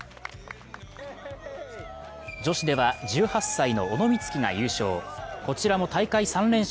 女子では１８歳の小野光希が優勝。